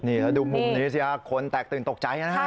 นี่แล้วดูมุมนี้สิฮะคนแตกตื่นตกใจนะฮะ